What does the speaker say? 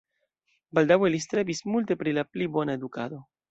Baldaŭe li strebis multe pri la pli bona edukado.